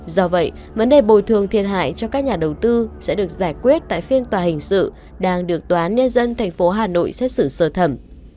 do vậy vấn đề bồi thường thiệt hại cho các nhà đầu tư sẽ được giải quyết tại phiên tòa hình sự đang được tòa án nhân dân tp hà nội xét xử sơ thẩm